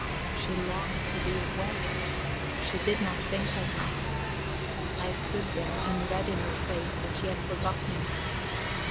She longed to be away; she did not think of me. I stood there, and read in her face that she had forgotten me.